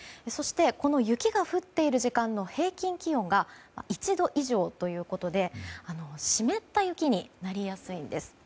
そして、雪が降っている時間の平均気温が１度以上ということで湿った雪になりやすいんです。